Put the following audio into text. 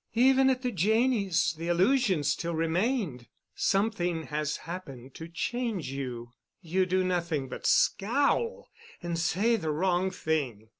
Even at the Janneys' the illusion still remained. Something has happened to change you. You do nothing but scowl and say the wrong thing.